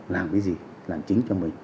làm cái gì làm chính cho mình